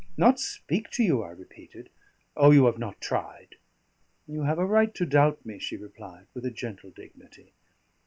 "Not speak to you?" I repeated. "Oh! you have not tried." "You have a right to doubt me," she replied, with a gentle dignity.